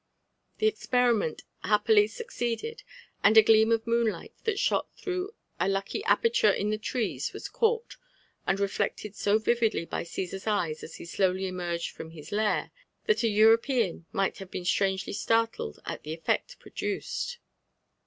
The csf* riment happily succeeded, and a gleam of moonlight thalAot through a lucky aperture in (he trees was caught, and reflected so vividly by Gttsar's eyes as he slowly emerged from his lair, that an European might have been strangely startled at the effect produced.